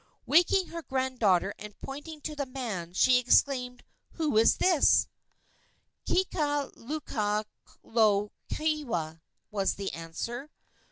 Waking her granddaughter and pointing to the man, she exclaimed, "Who is this?" "Kekalukaluokewa," was the answer.